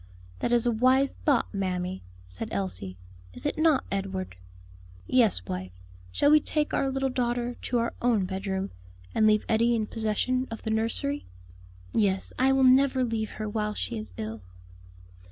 "That is a wise thought, mammy," said Elsie. "Is it not, Edward?" "Yes, wife; shall we take our little daughter to our own bedroom, and leave Eddie in possession of the nursery?" "Yes, I will never leave her while she is ill."